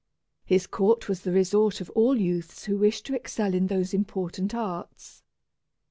His court was the resort of all youths who wished to excel in those important arts.